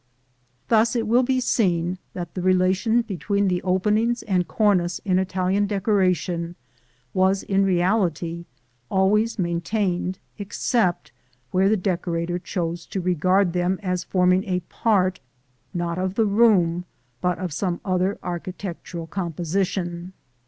Thus it will be seen that the relation between the openings and cornice in Italian decoration was in reality always maintained except where the decorator chose to regard them as forming a part, not of the room, but of some other architectural composition.